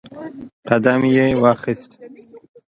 قدم یې واخیست